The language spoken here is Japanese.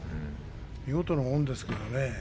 見事なもんですけどね。